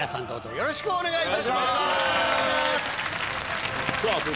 よろしくお願いします。